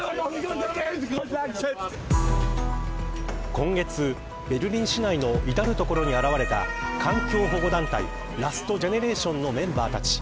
今月、ベルリン市内の至る所に現れた環境保護団体ラスト・ジェネレーションのメンバーたち。